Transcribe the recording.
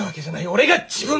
俺が自分で！